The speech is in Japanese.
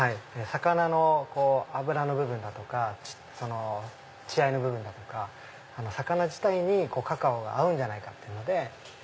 魚の脂の部分だとか血合いの部分だとか魚自体にカカオが合うんじゃないかっていうので。